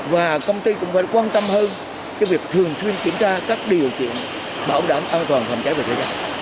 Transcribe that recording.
và công ty cũng phải quan tâm hơn việc thường xuyên kiểm tra các điều kiện bảo đảm an toàn phòng cháy và cháy